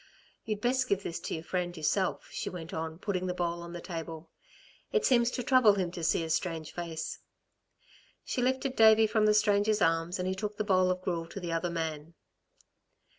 "You'd best give this to your friend, yourself," she went on, putting the bowl on the table. "It seems to trouble him to see a strange face." She lifted Davey from the stranger's arms and he took the bowl of gruel to the other man.